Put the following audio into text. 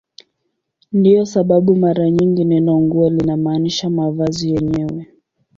Ndiyo sababu mara nyingi neno "nguo" linamaanisha mavazi yenyewe.